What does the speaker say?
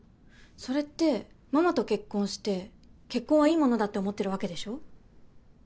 それってママと結婚して結婚はいいものだって思ってるわけでしょ？